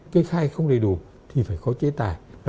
cái khai không đầy đủ thì phải khó chế tài